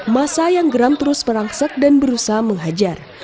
massa yang geram terus merangsak dan berusaha menghajar